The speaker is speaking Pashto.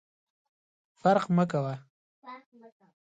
فرق مه کوه !